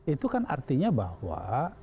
itu kan artinya bahwa